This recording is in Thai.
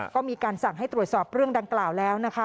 ก็มีการสั่งให้ตรวจสอบเรื่องดังกล่าวแล้วนะคะ